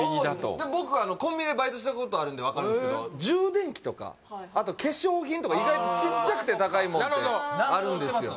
僕はコンビニでバイトしたことあるんで分かるんですけど充電器とかあと化粧品とか意外とちっちゃくて高いものってあるんですよ